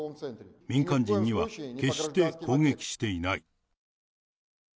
民間人には決して攻撃していない。